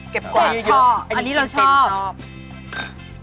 เก็บพออันนี้เราชอบ